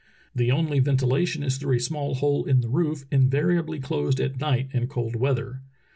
The only ven tilation is through a small hole in the roof, invariably closed at night in cold weather.